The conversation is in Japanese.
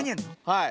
はい。